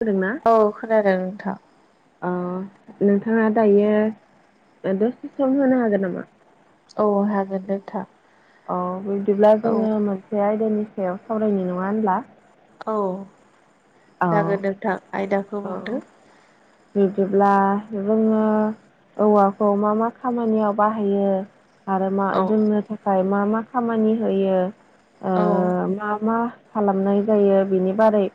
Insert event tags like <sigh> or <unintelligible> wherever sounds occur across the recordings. होदोंना औ खोनादों नोंथां। अ नोंथाङा दायो दसे सम होनो हागोन नामा? औ हागोन नोंथां। औ बिदिब्ला औ जोङो मोनसे आयदानि सायाव सावरायनि नङा होनब्ला? औ औ जागोन नोंथां आयदाखौ बुंदो बिदिब्ला जोङो औवाखौ मा मा खामानियाव बाहायो आरो मा औ जोंनो थाखाय मा मा खामानि होयो ओ औ मा मा खालामनाय जायो बिनि बारै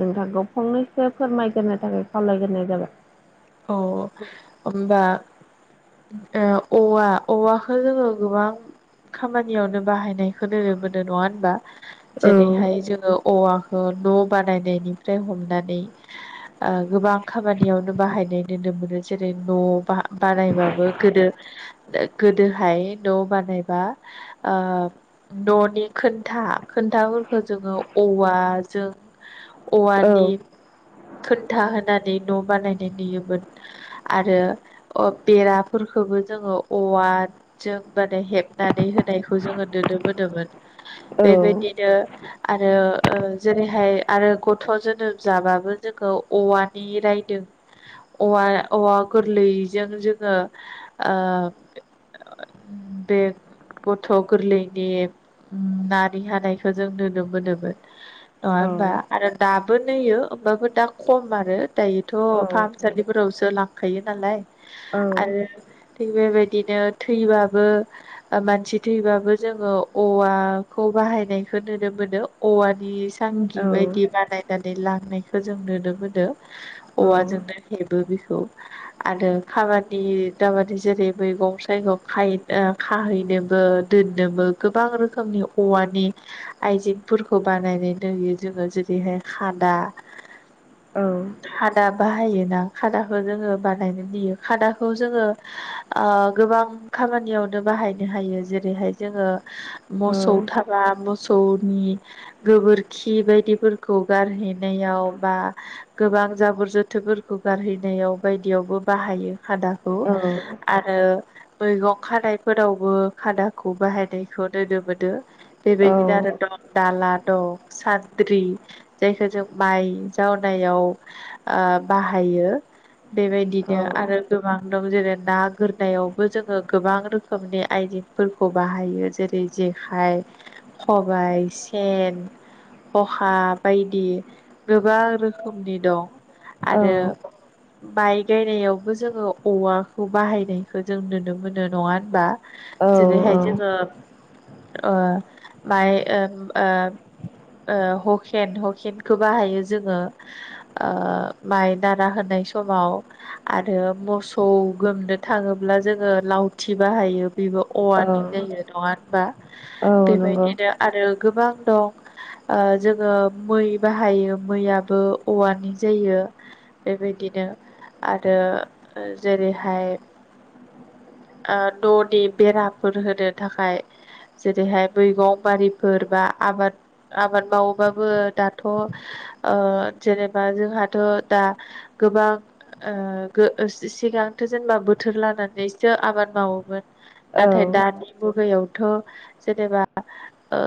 नोंथांखौ फंनैसो फोरमायग्रोनो थाखाय खावलायग्रोनाय जाबाय। अ होनबा ए औवा औवाखौ जोङो गोबां खामानियावनो बाहायनायखौ नुनो मोनो नङा होनबा औ जेरैहाय जोङो औवाखौ न' बानायनायनिफ्राय हमनानै आ गोबां खामानियावनो बाहाय नाय नुनो मोनो जेरै न' बानायबाबो गोदो गोदोहाय न' बानायबा ओ न'नि खोनथा खोनथाफोरखौ जोङो औवा जों औ औवानि खोनथा होनानै न' बानायनाय नुयो मोन आरो बेराफोरखौबो जोङो औवाजों माने हेबनानै होनायखौ जोङो नुनो मोनोमोन बेबायदिनो आरो ओ जेरैहाय आरो गथ' जोनोम जाबाबो जोंखौ औवानि रायदों औवा औवा गोरलैजों जोङो ओ बे गथ' गोरलैनि नारि हानायखौ जों नुनो मोनोमोन नङा औ होनबा आरो दाबो नुयो होनबाबो दा खम आरो दायोथ' औ फाम औ सालिफोरावसो लांखायो नालाय औ आरो बेबायदिनो थैबाबो ओ मानसि थैबाबो जोङो औवाखौ बाहायनायखौ नुनो मोनो औवानि सांगि बायदि बानायनानै लांनायखौ जों नुनो मोनो औवाजोंनो हेबो बेखौ आरो खामादि दामानि जेरै मैगं थाइगं खाय ओ खाहैनोबो दोननोबो गोबां रोखोमनि औवानि आइजेंफोरखौ बानाय नानै जोङो जेरैहाय खादा खादा बाहायोना खादाखौ जोङो बानायनो होयो खादाखौ जोङो गोबां खामानियावनो बाहाइनो हायो जेरैहाय जोङो मोसौ थाबा मो सौनि गोबोरखि बायदिफोरखौ गारहैनायाव बा गोबां बां जाबोर जोथोबफोरखौ गारहैनायाव बायदियावबो बाहायो खादाखौ आरो। मैगं खानायफोरावबो खादाखौ बाहायनायखौ नुनो मोनो बेबायदिनो आरो दं दाला दं सान्द्रि जायखौ जों माइ जावनायाव ओ बाहा हायो बेबायदिनो आरो गोबां दं‌ जेरै' ना गोरनायावबो जोङो गोबां रोखोमनि आइजेंफोरखौ बाहायो जेरै' जे जेखाय, खबाइ, सेन खहा बायदि गोबां रोखोमनि दं। औ। माइक गायनायावबो जोङो औवाखौ बाहायनायखौ जों नुनो मोनो नङा होनबा। जेरै'हाय जोङो ओ माइ ओम ओ ओ हुखेन हुखेनखौ बाहायो जोङो। ओ माइ दाना होनाय समाव आरो मोसौ गोमनो थाङोब्ला जोङो लाव औथि बाहायो बेबो अवारनि जायो नङा होनबा। बेबायदिनो आरो गोबां दं ओ जोङो मै बाहायो मैयाबो औवानि जायो। बेबायदिनो आरो ओ जेरै'हाय ओ न'नि बेराफोर होनो थाखाय जेरै'हाय मैगं बारिफोर बा आबाद आबाद मावोबाबो दाथ' ओ जेनेबा जोंहाथ' दा गोबां ओ गो सि सिगांथो जेनेबा बोथोर लानानैसो आबाद मावोमोन नाथाय दानि मुगायावथ' जेनेबा। ओ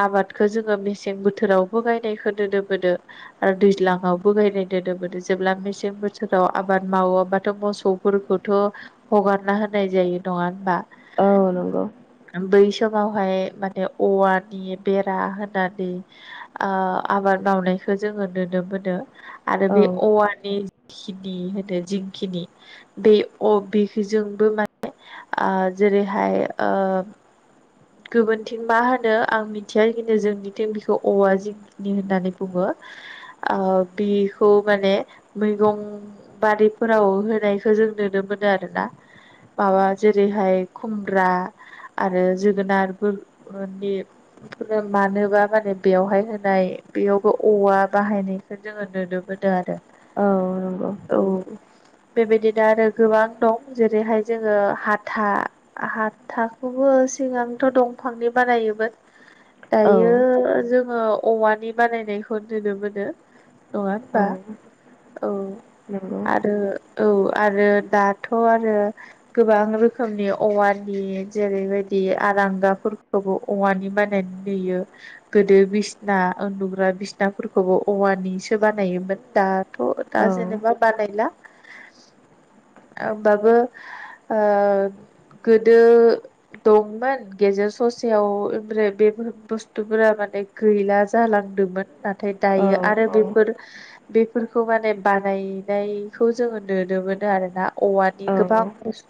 आबादखौ जोङो मेसें बोथोरावबो गायनायखौ नोननो मोनो ओ दैज्लाङाव <unintelligible> जेब्ला मेसें बोथोराव आबाद मावाबाथ' मोसौफोरखौथ' हगारना होनाय जायो नङा होनबा? औ नंगौ। बै समावहाय माने औवानि बेरा होनानै ओ आबाद मावनायखौ जोङो नुनो मोनो आरो बे औवानि खिनि होनो जिखिनि दै अ बेखैजोंबो माने ओ जेरै'हाय ओ गुबुनथिं मा होनो आं मिथिया इदिनो जोंनिथिं बेखौ औवा जिखिनि होननानै बुङो। <inaudible> आ बिखौ माने मैगं बारिफोराव होनायखौ जों नुनो मोनो आरो ना। माबा जेरै'हाय खुमब्रा आरो जोगोनारफोर नि फोरा मानोबा माने बेवहाय होनाय बेयावबो औवा बाहायनायखौ जोङो नुनो मोनो। आरो औ नंगौ। औ बेबायदिनो आरो गोबां दं जेरै'हाय जोङो हाथा हाथाखौबो सिगांथ' दंफांनि बानायोमोन दायो जोङो औवानि बानायनायखौ नुनो मोनो नङा होनबा? औ आरो औ आरो दाथ' आरो गोबां रोखोमनि औवानि जेरै'बायदि इ आरांगाफोरखौबो अमानि बायन नुयो गोदो बिसिना उन्दुग्रा बिसनाफोरखौबो औवानिसो बानायोमोन दाथ' दा जेनेबा बानायला ओबो आ ओ गोदो दंमोन गेजेर ससेयाव ओमफ्राय बे बुस्थुफोरा मान <inaudible> गैला जालांदोंमोन नाथाय दायो आरो बेफोर। बेफोरखौ माने बानायनायखौ जोङो नुनो मोनो आरोना औवानि गोबां बुसतु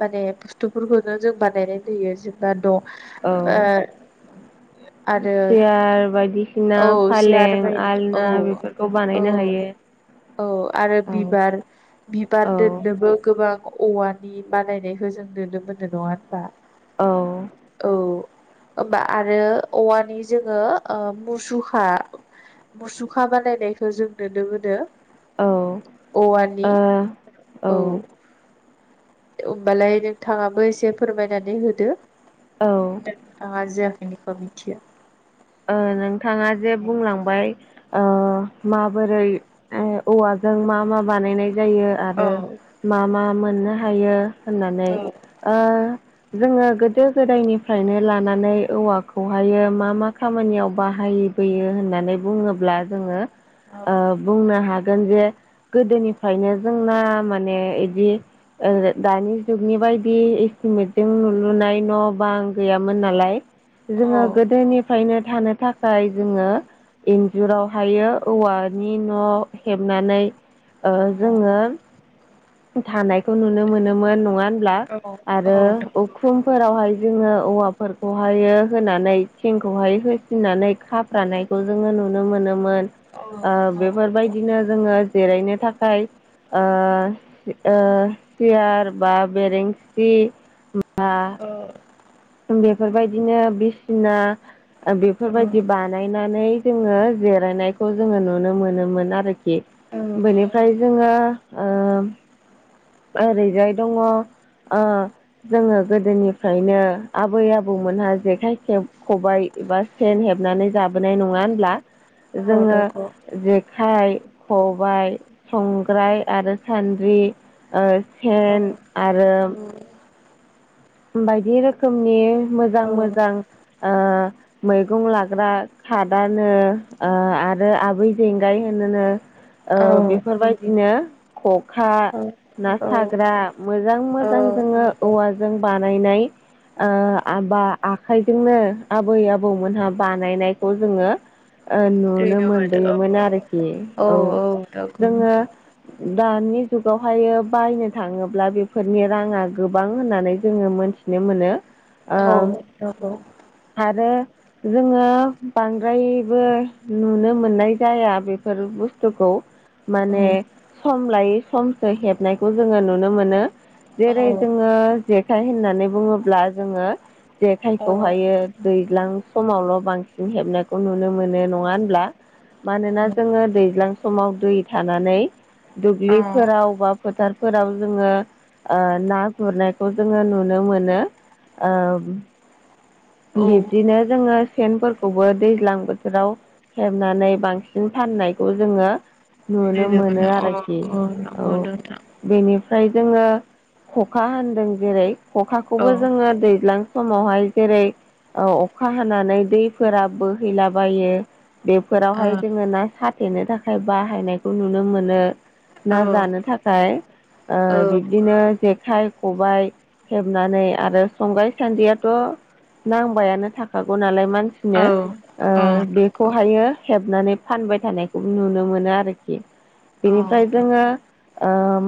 माने बुस्थुफोरखौनो जों बानायनाय नुयो जेनेबा न' <inaudible> सियार बायदिसिना औ सियार फालें बायदि आलना औ बेफोरखौ बानाय औ औ आरो बिबार बिबार औ दोननोबो गोबां औवानि बानायनायखौ जों नुनो मोननाय नङा होनबा औ औ होमबा आरो औवानि जोङो मुसुखा मुसुखा बानायायखौ खौ जों नुनो मोनो औवानि औ होमबालाय नोंथाङाबो एसे फोरमायनानै होदो। औ आं आरजिखिनिखौ मिथिया। ओ नोंथाङा जे बुंलांबाय अ माबोरै औवाजों मा मा बानायनाय जायो औ आरो मा मा मोननो हायो होननानै औ ओ जोङो गोदो गोदायनिफ्रायनो लानानै औवाखौहायो मा मा खामानियाव बाहायबोयो होननानै बुङोब्ला जोङो ओ बुंनो हागोन जे गोदोनिफ्रायनो जोंना माने एदि दानि जुगनि बादि बेबायदि एस्टिमेटजों नुलुनाय न' बां आ गैयामोन नालाय औ जोङो गोदोनिफ्रायनो थानो थाखाय जोङो इन्जुरावहायो औवानि न' हेबनानै ओ औ जोङो थानायखौ नुनो मोनोमोन नङा हो होनबा औ आरो उखुमफोरावहाय जोङो औवाफोरखौहाय होनानै थिंखौहाय हो फिनानै खाफ्रानायखौ जोङो नुनो मोनोमोन औ औ ओ बेफोरबायदिनो जोङो जिरायनो थाखाय ओ ओ सियार बा बेरेंसि बा ओ। बेफोरबायदिनो बिसिना बेफोरबायदि बानायनानै जोङो जिरायनायखौ जोङो नुनो मोनोमोन आरोखि। बेनिफ्राय जोङो ओ ओरैजाय दङ अ जोङो गोदोनिफ्रायनो आबै आबौमोनहा जेखाइ खेब खबाय एबा सेन हेबनानै जाबोनाय नङा होनब्ला जोङो नंगौ जेखाइ खबाइ संग्राय आरो सान्द्रि ओ औ फेन आरो औ औ बायदि रोखोमनि मोजां औ मोजां ओ मैगं लाग्रा खादानो आरो आबै जेंगाय होनोनो ओ औ बेफोरबायदिनो खखा ना साग्रा मोजां मोजां जोङो औवाजों बानायनाय ओ आबा आखाइजोंनो आबै आबौमोनहा बानायनायखौ जोङो ओ नुनो मोनबोयोमोन आरोखि औ जोङो नंगौ दानि जुगावहाय बायनो थाङोब्ला बेफोरनि राङा गोबां होननानै जोङो मोनथिनो मोनो ओ औ आरो जोङो बांद्रायबो नुनो मोननाय जाया बेफोर बुस्थुखौ माने सम लायै समसो हेबनायखौ जोङो नुनो मोनो। जेरै जोङो जेखाइ होननानै बुङोब्ला जोङो जेखाइखौहायो दैज्लां समावल' बांसिन हेबनायखौ नुनो मोनो नङा होनब्ला? मानोना जोङो दैज्लां समाव दै थानानै दुब्लिफोराव बा फोथारफोराव जोङो ओ ना गुरनाय खौ जोङो नुनो मोनो ओ‌। बिब्दिनो जोङो सेनफोरखौबो दैज्लां बोथोराव हेबनानै बांसिन फाननायखौ जोङो नुनो मोनो आरोखि औ बेनि ओमफ्राय जोङो खखा होनदों जेरै खखाखौबो जोङो दैज्लां समावहाय जेरै अखा हानानै दैफोरा बोहैलाबायो बेफोरावहाय जोङो ना साथेनो थाखाय बाहायनायखौ नुनो मोनो। ना जानो थाखाय ओ बिब्दिनो जेक जेखाइ खबाय हेबनानै आरो संग्राय साद्रियाथ' नांबायानो थाखागौ नालाय मानसिनो ओ बेखौहायो हेबनानै फानबाय थानायखौ नुनो मोनो आरोखि बेनिफ्राय जोङो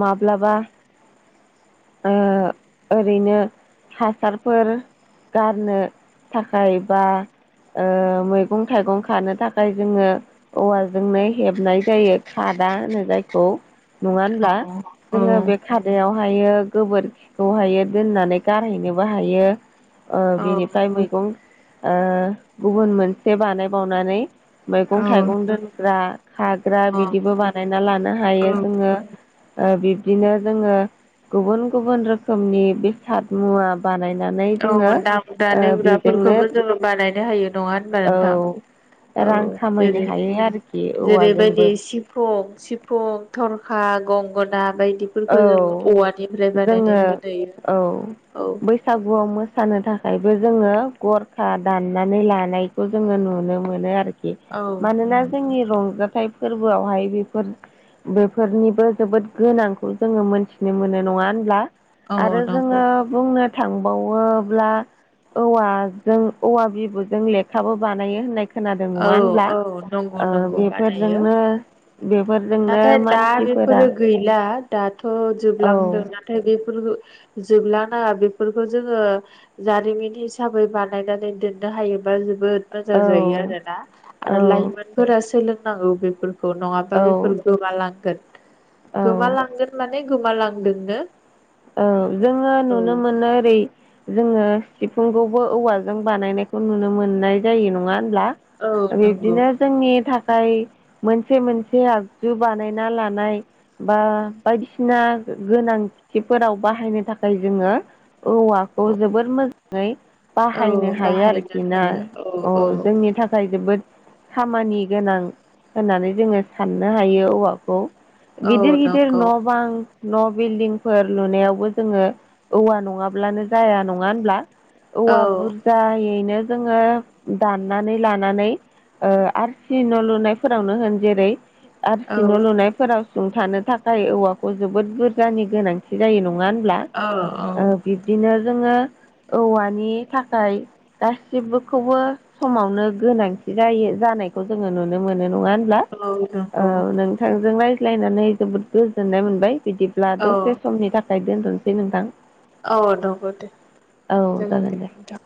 माब्लाबा ओरैनो हासारफोर गारनो। थाखाय बा मैगं थाइगं खानो थाखाय जोङो औवाजोंनो हेबनाय जायो खारै खादा होनो जायखौ नंङा होनब्ला जोङो बे खादायाव हायो गोबोरखिखौहायो दोननानै गारहैनोबो हायो बेनिफ्राय मैगं गुबुन मोनसे बानाय बावनानै मैगं थाइगं दोनग्रा खाग्रा बिदिबो बानायना लानो हायो जोङो। बिब्दिनो जोङो गुबुन गुबुन रोखोमनि बेसाद मुवा बानायनाय नानै जोङो गानि बेजोंनो उ्राफोरखौबो जोङो बानायनो हायो नङा होनबा औ नोंथां औ रां खामायनो जेरै हायो आरोखि जेरैबायदि औवाजोंबो सिफुं सिफुं थरखा गंगोना बायदिफोरखौ जों औ औवानिफ्राय जोङो बानायनायखौ नुयो औ सानो थाखायबो जोङो गरखा दाननानै लानायखौ जोङो नुनो मोनो आरोखि औ मानोना जोंनि रंजाथाइ फोरबोआवहाय बेफोर बेफोरनिबो जोबोद गोनांखौ जोङो मोनथिनो मोनो नङा होनब्ला आरो औ नंगौ जोङो बुंनो थांबावोब्ला औवाजों औवा बिबुजों लेखाबो बानायो होननायखौ खोनादों नङा औ होनब्ला औ नंगौ नंगौ बानायो बेफोरजोंनो बेफोरजोंनो मानसि बैफोरो गैला औ दाथ'जोबलांदों नाथाय बे जोबला नाङा बेफोरखौ जोङो जारिमिन हिसाबै बानायनानै दोन नो हायोबा जोबोद मोजां जायो औ आरोना आरो औ लाइमोनफोरा सोलोंनांगौ बे नङाबा औ बेफोर गोमालांगोन औ गोमालांगोन माने गोमालांदोंनो औ जोङो औ नुनो मोनो ओरै जोङो सिफुंखौबो औवाजों बानायनायखौ नुनो मोननाय जायो नङा होमल्बा औ नंगौ बिब्दिनो जोंनि थाखाय मोनसे मोनसे आगजु बानायना लानाय बा बायदिसिना गोनांथिफोराव बाहायनो थाखाय जोङो औवाखौ जोबोर मोजाङै औ बाहायनो हायो बाहायनो आरोखि ना हायो औ जोंनि थाखाय जोबोद खामानि गोनां होननानै जोङो साननो हायो औवाखौ औ गिदिर गिदिर नंगौ न' बां न' बिल्डिं फोर लुनायावबो जोङो औवा नङाब्लानो जाया नङा होनब्ला? औवा औ बुरजायैनो जोङो दाननानै लानानै आरसि न' लुनायफोरावनो होन जेरै आर औ सि न' लुनायफोराव सुंथानो थाखाय औवाखौ जोबोद बुरजानि गोनांथि जायो नङा औ औ बिब्दिनो जोङो औवानि थाखाय गासिखौबो समावनो गोनांथि जायो जानायखौ जोङो नुनो मोनो नङा होनब्ला औ नंगौ ओ नोंथांजों रायज्लायनानै जोबोद गोजोननाय मोनबाय। बिदिब्ला औ दसे समनि थाखाय दोनथ'सै नोंथां औ नंगौ दे जागोन दे नोंथां